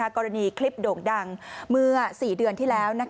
กรณีคลิปโด่งดังเมื่อ๔เดือนที่แล้ว